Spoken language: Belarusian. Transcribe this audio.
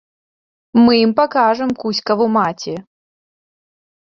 Мы ім пакажам кузькаву маці!